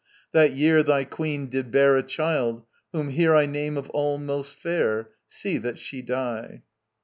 That year thy queen did bear A child whom here I name of all most fair. See that she die."